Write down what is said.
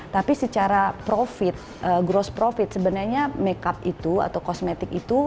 tapi secara profit growth profit sebenarnya makeup itu atau kosmetik itu